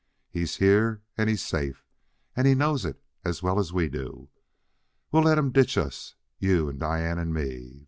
He's here, and he's safe; and he knows it as well as we do. We'll let him ditch us you and Diane and me.